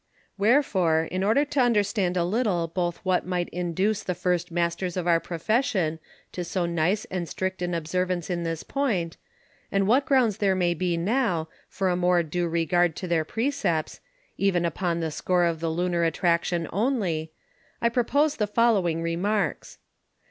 Wherefore, in order to understand a little both what might Induce the first Masters of our Profession to so nice and strict an Observance in this point; and what grounds there may be now, for a more due regard to their Precepts, even upon the score of the Lunar Attraction only, I propose the following Remarks.